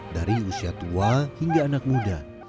dari usia tua hingga anak muda